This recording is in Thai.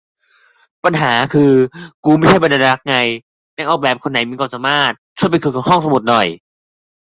ปัญหาคือ กรูไม่ใช่บรรณารักษ์ไง นักออกแบบคนไหนมีความสามารถ ช่วยไปคุยกับห้องสมุดหน่อย